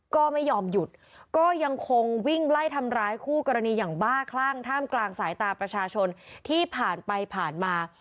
ก็ไม่ยอมหยุดก็ยังคงวิ่งไล่ทำร้ายคู่กรณีอย่างบ้าคลั่งท่ามกลางสายตาประชาชนที่ผ่านไปผ่านมา